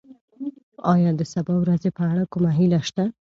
ایا د سبا ورځې په اړه کومه هیله شته؟